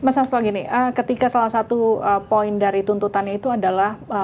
mas hasto gini ketika salah satu poin dari tuntutannya itu adalah